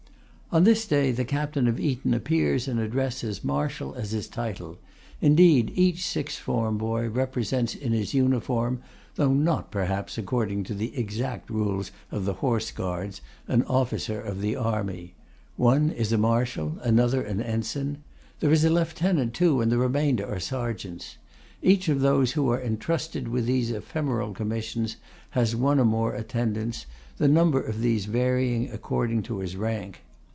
On this day the Captain of Eton appears in a dress as martial as his title: indeed, each sixth form boy represents in his uniform, though not perhaps according to the exact rules of the Horse Guards, an officer of the army. One is a marshal, another an ensign. There is a lieutenant, too; and the remainder are sergeants. Each of those who are intrusted with these ephemeral commissions has one or more attendants, the number of these varying according to his rank.